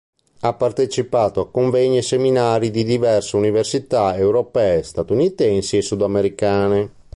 Ha partecipato a convegni e seminari in diverse Università europee, statunitensi e sudamericane.